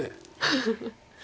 フフフ。